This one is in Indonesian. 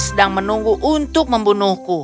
sedang menunggu untuk membunuhku